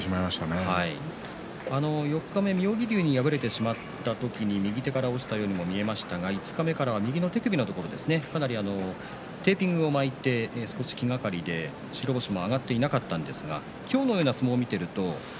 四日目、妙義龍に敗れてしまった時に右手から落ちたようにも見えましたが五日目から右の手首のところにもかなりテーピングを巻いて少し気がかりで、白星も挙がっていなかったんですが今日のような相撲を見ていると。